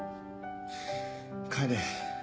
帰れ。